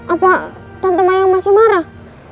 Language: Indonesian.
apa tante mayang masih marah